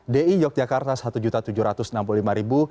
dki yogyakarta satu juta tujuh ratus enam puluh lima ribu